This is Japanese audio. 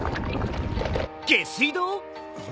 下水道！？